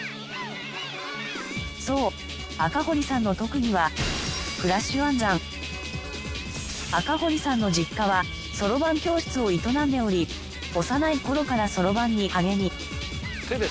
そう赤堀さんの特技は赤堀さんの実家はそろばん教室を営んでおり幼い頃からそろばんに励み。